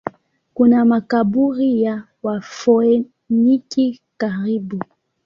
Kuna makaburi ya Wafoeniki karibu.